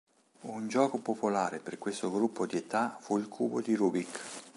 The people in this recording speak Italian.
Un gioco popolare per questo gruppo di età fu il Cubo di Rubik.